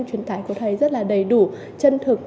truyền tải của thầy rất là đầy đủ chân thực